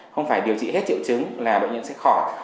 không phải điều trị hết triệu chứng là bệnh nhân sẽ khỏi